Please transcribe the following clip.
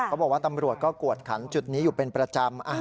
เขาบอกว่าตำรวจกวดขันจุดนี้อยู่เป็นประจำ